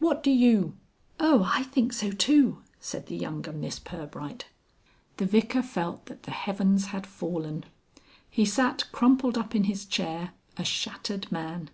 What do you...." "Oh! I think so too," said the younger Miss Pirbright. The Vicar felt that the heavens had fallen. He sat crumpled up in his chair, a shattered man.